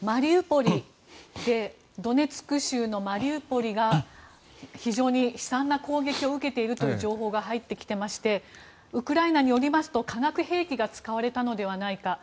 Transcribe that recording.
ドネツク州のマリウポリが非常に悲惨な攻撃を受けているという情報が入ってきていましてウクライナによりますと化学兵器が使われたのではないか。